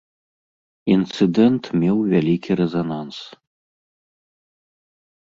Інцыдэнт меў вялікі рэзананс.